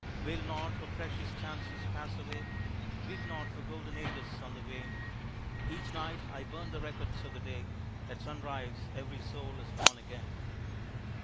Wail not for precious chances passed away, Weep not for golden ages on the wane! Each night I burn the records of the day, At sunrise every soul is born again!